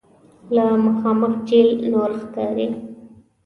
مخامخ جبل نور ښکاري.